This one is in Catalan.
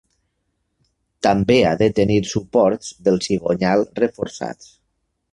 També ha de tenir suports del cigonyal reforçats.